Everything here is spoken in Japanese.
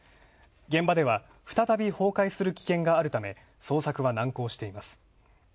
現場では、再び崩壊する危険があるため捜索は難航しています。